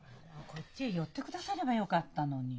こっちへ寄ってくださればよかったのに。